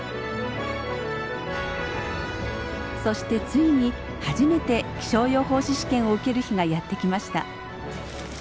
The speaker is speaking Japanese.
そしてついに初めて気象予報士試験を受ける日がやってきました。